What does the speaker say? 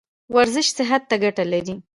ورزش صحت ته ګټه لري